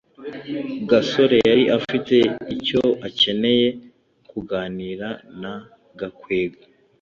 gasore yari afite icyo akeneye kuganira na gakwego